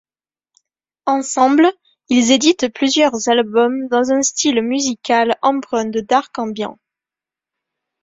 Ensemble ils éditent plusieurs albums dans un style musical emprunt de Dark ambient.